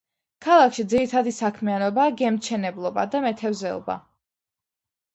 ქალაქში ძირითადი საქმიანობაა გემთმშენებლობა და მეთევზეობა.